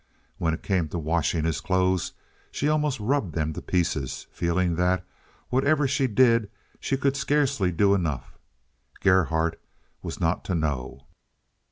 When it came to washing his clothes she almost rubbed them to pieces, feeling that whatever she did she could scarcely do enough. Gerhardt was not to know.